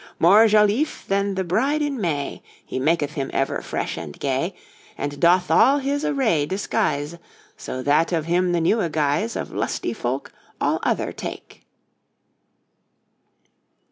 More jolif than the brid in Maie, He maketh him ever fressh and gaie And doth all his array desguise, So that of him the newé guise Of lusty folke all other take.'